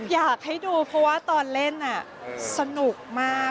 อยากให้ดูเพราะว่าตอนเล่นสนุกมาก